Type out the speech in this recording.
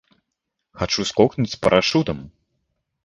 Хачу скокнуць з парашутам.